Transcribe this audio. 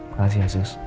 ya makasih ya sus